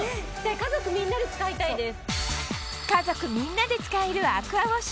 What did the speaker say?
家族みんなで使いたいです。